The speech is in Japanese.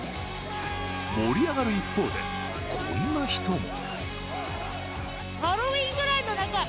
盛り上がる一方で、こんな人も。